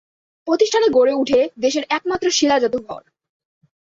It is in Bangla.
প্রতিষ্ঠানে গড়ে উঠে দেশের একমাত্র শিলা জাদুঘর।